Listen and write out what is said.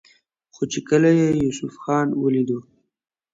خو چې کله يې يوسف خان وليدو